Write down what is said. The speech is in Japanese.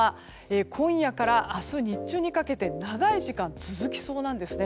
今夜から明日日中にかけて長い時間、続きそうなんですね。